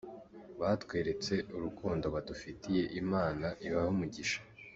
Batweretse urukundo badufitiye, Imana ibahe umugisha”.